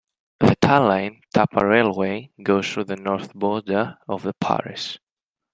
The Tallinn - Tapa Railway goes through the north border of the parish.